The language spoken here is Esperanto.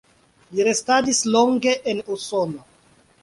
Li restadis longe en Usono.